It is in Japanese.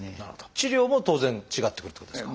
治療も当然違ってくるってことですか？